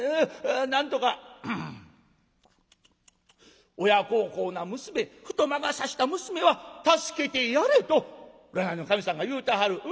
なんとか『親孝行な娘ふと魔が差した娘は助けてやれ』と占いの神さんが言うてはる。